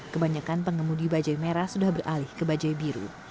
kebanyakan pengemudi bajaj merah sudah beralih ke bajaj biru